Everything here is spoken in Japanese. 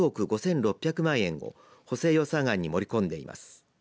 １０億５６００万円を補正予算案に盛り込んでいます。